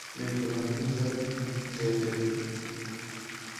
مهرباني عزت زياتوي.